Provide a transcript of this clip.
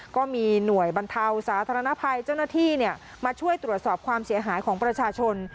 ก็มีหน่วยบรรเทาสาธารณภัยเจ้าหน้าที่มาช่วยตรวจสอบความเสียหายของประชาชน